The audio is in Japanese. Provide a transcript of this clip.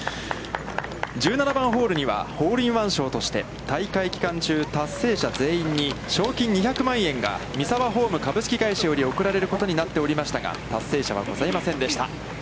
１７番ホールにはホールインワン賞として大会期間中、達成者全員に賞金２００万円がミサワホーム株式会社より贈られることになっておりましたが、達成者はございませんでした。